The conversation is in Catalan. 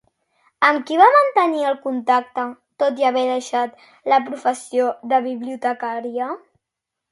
Amb qui va mantenir el contacte tot i haver deixat la professió de bibliotecària?